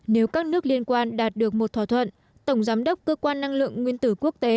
nếu các nước liên quan đạt được một thỏa thuận tổng giám đốc cơ quan năng lượng nguyên tử quốc tế